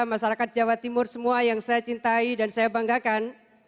masyarakat jawa timur semua yang saya cintai dan saya banggakan